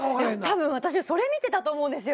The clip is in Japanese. たぶん私はそれ見てたと思うんですよ。